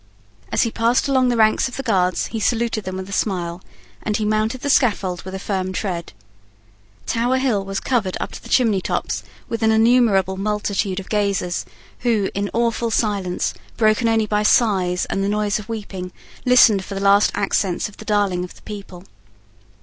As he passed along the ranks of the guards he saluted them with a smile; and he mounted the scaffold with a firm tread. Tower Hill was covered up to the chimney tops with an innumerable multitude of gazers, who, in awful silence, broken only by sighs and the noise of weeping, listened for the last accents of the darling of the people.